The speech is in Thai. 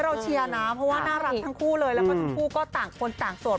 เพราะว่าน่ารักทั้งคู่เลยแล้วทุกก็ต่างคนต่างโสด